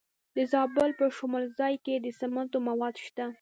د زابل په شمولزای کې د سمنټو مواد شته.